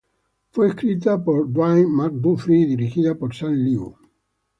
Fue escrita por Dwayne McDuffie y dirigida por Sam Liu.